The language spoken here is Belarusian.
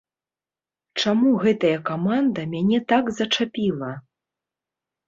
Чаму гэтая каманда мяне так зачапіла?